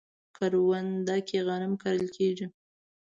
کرونده کې غنم کرل کیږي